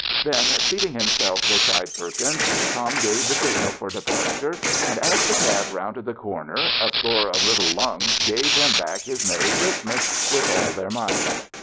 Then seating himself beside Per kins, Tom gave the signal for departure, and as the cab rounded the corner a score of little Imigs gavo him back his meny Christmas with all their might.